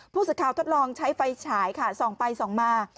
ผู้สื่อข่าวทดลองใช้ไฟฉายค่ะส่องไปส่องมา